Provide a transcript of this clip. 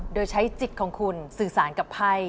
โดยใช้จิตของคุณสื่อสารกับไพ่